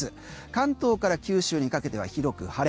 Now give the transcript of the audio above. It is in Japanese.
関東から九州にかけては広く晴れ。